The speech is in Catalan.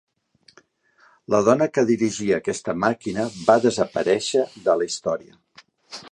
La dona que dirigia aquesta màquina va desaparèixer de la història.